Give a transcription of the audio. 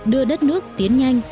đưa đất nước tiến nhanh